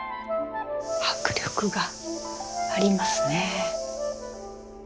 迫力がありますね。